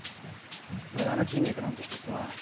無駄な筋肉なんて一つもない。